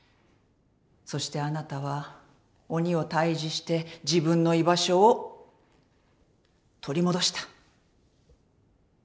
そしてあなたは鬼を退治して自分の居場所を取り戻した。